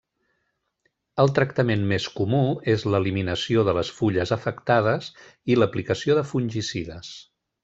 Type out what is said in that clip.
El tractament més comú és l'eliminació de les fulles afectades i l'aplicació de fungicides.